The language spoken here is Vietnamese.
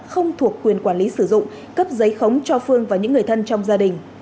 không thuộc quyền quản lý sử dụng cấp giấy khống cho phương và những người thân trong gia đình